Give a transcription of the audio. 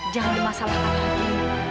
jangan masalah lagi